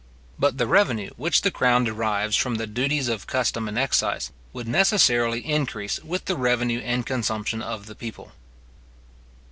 But the revenue which the crown derives from the duties or custom and excise, would necessarily increase with the revenue and consumption of the people.